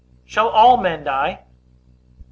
Shall all men die? A.